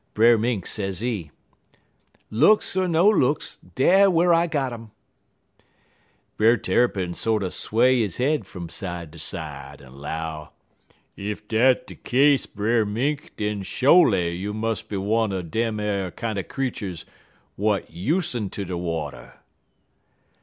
"Brer Mink, sezee: 'Looks er no looks, dar whar I got um.' "Brer Tarrypin sorter sway he head fum side ter side, en 'low: "'Ef dat de case, Brer Mink, den sho'ly you mus' be one er dem ar kinder creeturs w'at usen ter de water.'